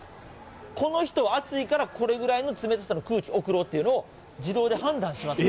で、この人暑いから、これぐらいの冷たさの空気送ろうっていうのを、自動で判断します。